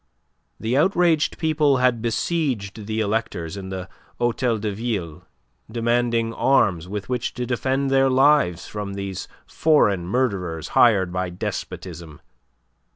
The outraged people had besieged the electors in the Hotel de Ville, demanding arms with which to defend their lives from these foreign murderers hired by despotism.